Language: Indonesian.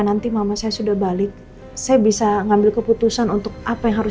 nanti mama saya sudah balik saya bisa ngambil keputusan untuk apa yang harus